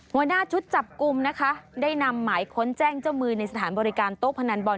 หัวหน้าชุดจับกลุ่มนะคะได้นำหมายค้นแจ้งเจ้ามือในสถานบริการโต๊ะพนันบอล